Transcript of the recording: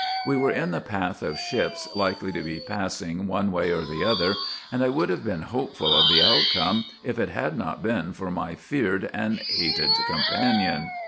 We were in the path of ships likely to be passing one way or the other, and I would have been hopeful of the outcome if it had not been for my feared and hated companion.